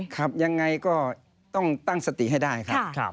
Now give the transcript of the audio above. ครับยังไงก็ต้องตั้งสติให้ได้ครับ